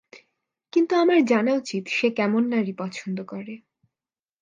কিন্তু আমার জানা উচিত সে কেমন নারী পছন্দ করে।